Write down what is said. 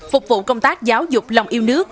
phục vụ công tác giáo dục lòng yêu nước